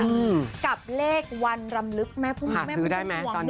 อืมกับเลขวันรำลึกแม่ภูมิหาซื้อได้ไหมตอนนี้